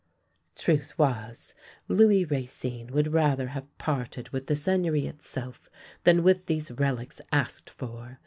" Truth was, Louis Racine would rather have parted with the Seigneury itself than with these relics asked for.